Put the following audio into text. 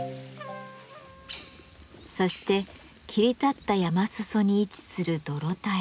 そして切り立った山裾に位置する泥田へ。